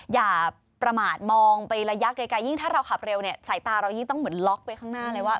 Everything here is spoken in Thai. อย่าประมาทมองไประยะไกลยิ่งถ้าเราขับเร็วเนี่ยสายตาเรายิ่งต้องเหมือนล็อกไปข้างหน้าเลยว่า